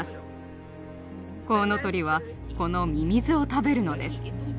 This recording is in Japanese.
コウノトリはこのミミズを食べるのです。